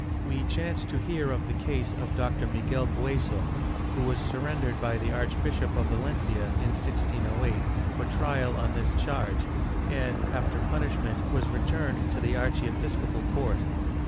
We chance to hear of the case of Dr. Miguel Bueso, who was sui'rendered by the Archbishop of Valencia, in 1608, for trial on this charge and, after punishment, was returned to the archiepiscopal court.